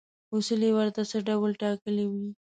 اصول یې ورته څه ډول ټاکلي وي.